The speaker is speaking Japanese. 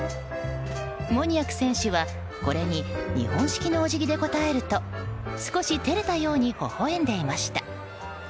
モニアク選手はこれに日本式のお辞儀で応えると少し照れたようにほほ笑んでいました。